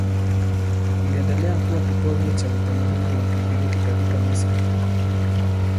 Iliendelea kuwa kitovu cha utamaduni wa Kigiriki katika Misri.